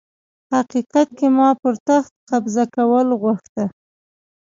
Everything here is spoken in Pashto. حقيقت کي ما پر تخت قبضه کول غوښته